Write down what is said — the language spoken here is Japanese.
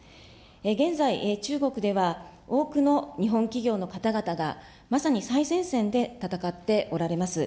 現在、中国では多くの日本企業の方々がまさに最前線で戦っておられます。